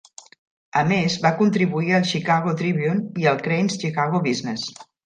A més, va contribuir al Chicago Tribune i al Crain's Chicago Business.